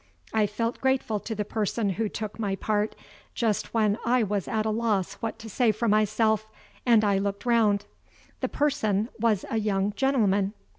I felt grateful to the person who took my part, just when I was at a loss what to say for myself, and I looked round. The person was a young gentleman.